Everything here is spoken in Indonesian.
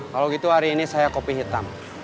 kalau gitu hari ini saya kopi hitam